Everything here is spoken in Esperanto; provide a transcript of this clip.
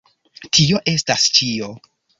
Tio estas ĉio